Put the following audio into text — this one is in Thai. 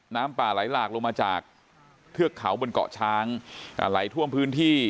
น้ำป่าไหลหลากลงมาจากเทือกเขาบนเกาะช้างไหลท่วมพื้นที่